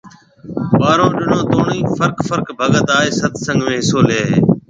ٻارهون ڏنون توڻِي فرق فرق ڀگت آئيَ ست سنگ ۾ حصو ليَ هيَ